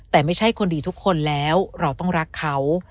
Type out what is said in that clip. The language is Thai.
แต่ไม่ใช่คนดีทุกคนแล้วเราต้องรักเขา